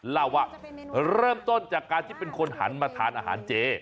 เล่าว่าเริ่มต้นจากการที่เป็นคนหันมาทานอาหารเจ